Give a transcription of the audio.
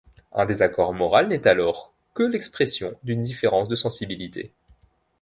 Un désaccord moral n'est alors que l'expression d'une différence de sensibilité.